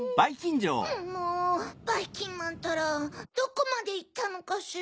もうばいきんまんったらどこまでいったのかしら。